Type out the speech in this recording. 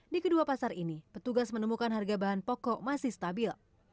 di kedua pasar ini petugas menemukan harga bahan pokok masih stabil